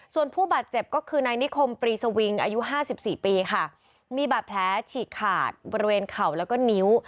ส่วนผู้บาดเจ็บก็คือนายนิคมปรีสวิงอายุห้าสิบสี่ปีค่ะมีบาดแผลฉีกขาดบริเวณเข่าแล้วก็นิ้ว